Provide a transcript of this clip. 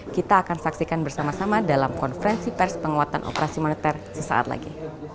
kita akan saksikan bersama sama dalam konferensi pers penguatan operasi moneter sesaat lagi